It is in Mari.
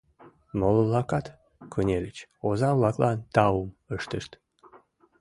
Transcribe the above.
Моло-влакат кынельыч, оза-влаклан таум ыштышт.